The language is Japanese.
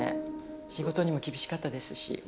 仕事にも厳しかったですし。